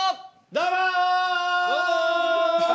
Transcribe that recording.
どうも！